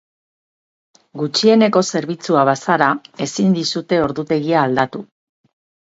Gutxieneko zerbitzua bazara, ezin dizute ordutegia aldatu.